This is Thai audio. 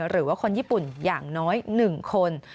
หรือว่าคนญี่ปุ่นอย่างน้อย๑คน